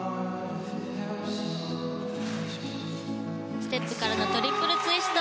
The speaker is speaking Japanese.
ステップからのトリプルツイスト。